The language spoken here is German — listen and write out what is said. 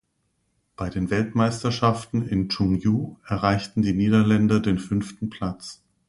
Bei den Weltmeisterschaften in Chungju erreichten die Niederländer den fünften Platz.